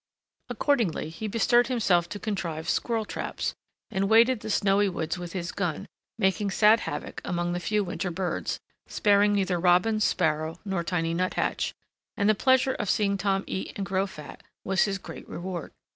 Accordingly he bestirred himself to contrive squirrel traps, and waded the snowy woods with his gun, making sad havoc among the few winter birds, sparing neither robin, sparrow, nor tiny nuthatch, and the pleasure of seeing Tom eat and grow fat was his great reward.